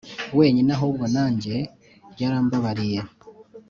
wenyine ahubwo nanjye yarambabariye